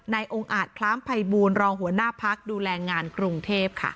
องค์อาจคล้ามภัยบูรณรองหัวหน้าพักดูแลงานกรุงเทพค่ะ